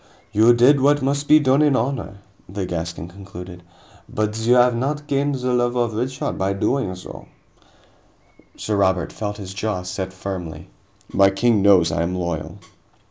"You did what must be done in honor," the Gascon conceded, "but you have not gained the love of Richard by doing so." Sir Robert felt his jaw set firmly. "My king knows I am loyal."